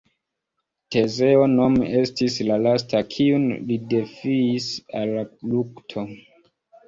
Tezeo nome estis la lasta kiun li defiis al lukto.